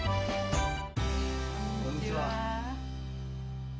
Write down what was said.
こんにちは。